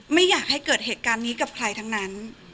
ไม่อยากให้เกิดเหตุการณ์นี้กับใครทั้งนั้น